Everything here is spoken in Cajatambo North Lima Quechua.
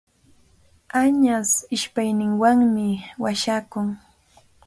Añas ishpayninwanmi washakun.